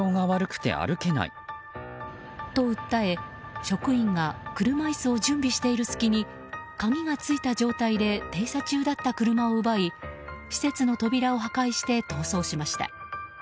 と訴え、職員が車椅子を準備している隙に鍵がついた状態で停車中だった車を奪い施設の扉を破壊して逃走しました。